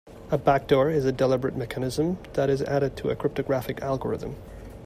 A backdoor is a deliberate mechanism that is added to a cryptographic algorithm.